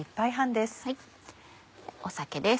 酒です。